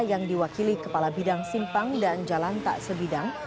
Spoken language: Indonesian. yang diwakili kepala bidang simpang dan jalan tak sebidang